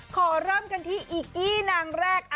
ขอเริ่มกันที่อีกกี้นางแรก